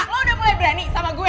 lo udah mulai berani sama gue